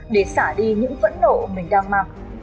để xả đi những phẫn nộ mình đang mang